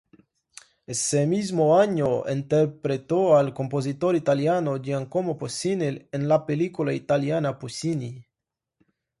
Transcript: Ese mismo año interpretó al compositor italiano Giacomo Puccini en la película italiana "Puccini".